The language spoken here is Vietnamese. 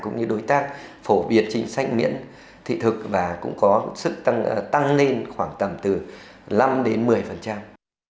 cũng như đối tác phổ biệt chính sách miễn thị thực và cũng có sức tăng lên khoảng tầm từ năm đến một mươi